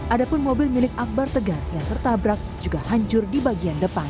ada pun mobil milik akbar tegar yang tertabrak juga hancur di bagian depan